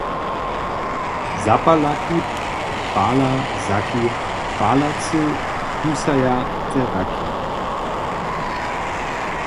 Zapalaki pala zaki, palcy kusaja te raki.